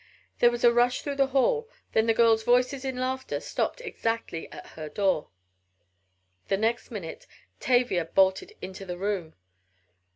There was a rush through the hall! Then the girls' voices in laughter stopped exactly at her door! The next minute Tavia bolted into the room.